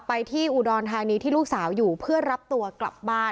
ไปที่อุดรธานีที่ลูกสาวอยู่เพื่อรับตัวกลับบ้าน